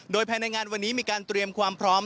โดยภายในงานวันนี้มีการเตรียมความพร้อม